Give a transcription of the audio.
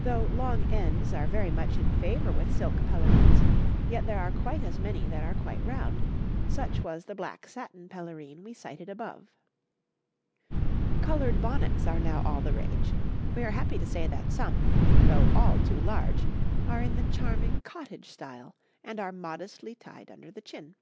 Though long ends are very much in favour with silk pelerines, yet there are quite as many that are quite round; such was the black satin pelerine we cited above. 'Coloured bonnets are now all the rage; we are happy to say that some, though all too large, are in the charming cottage style, and are modestly tied under the chin.